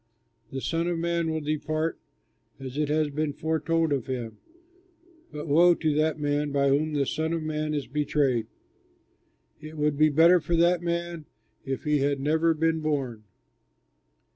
The Son of Man will depart as it has been foretold of him, but woe to that man by whom the Son of Man is betrayed! It would be better for that man if he had never been born!"